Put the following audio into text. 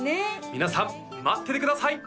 皆さん待っててください！